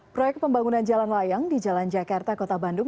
proyek pembangunan jalan layang di jalan jakarta kota bandung